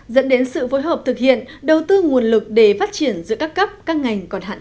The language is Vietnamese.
dẫn đến sự phối hợp thực hiện đầu tư nguồn lực để phát triển giữa các cấp các ngành còn hạn chế